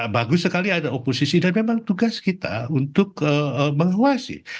bagus sekali ada oposisi dan memang tugas kita untuk mengawasi